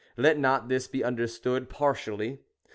Let not this be understood par tially.